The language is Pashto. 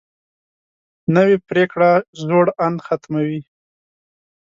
نوې پریکړه زوړ اند ختموي